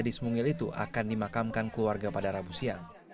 gadis mungil itu akan dimakamkan keluarga pada rabu siang